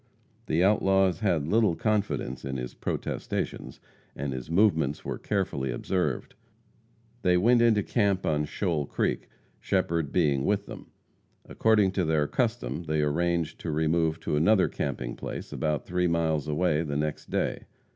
The outlaws had little confidence in his protestations, and his movements were carefully observed. They went into camp on Shoal Creek, Shepherd being with them. According to their custom they arranged to remove to another camping place about three miles away the next day.